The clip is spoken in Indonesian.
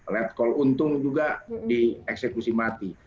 letkol untung juga dieksekusi mati